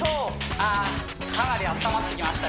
ああかなり温まってきました